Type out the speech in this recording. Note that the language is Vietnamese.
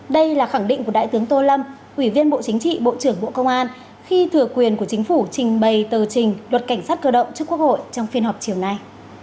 đây là khẳng định của đại tướng tô lâm ủy viên bộ chính trị bộ trưởng bộ công an khi thừa quyền của chính phủ trình bày tờ trình luật cảnh sát cơ động trước quốc hội trong phiên họp chiều nay